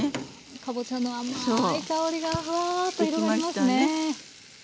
かぼちゃの甘い香りがフワッと広がりますね。